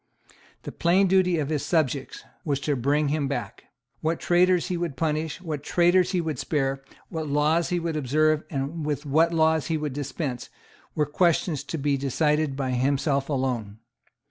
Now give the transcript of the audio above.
The plain duty of his subjects was to bring him back. What traitors he would punish and what traitors he would spare, what laws he would observe and with what laws he would dispense, were questions to be decided by himself alone.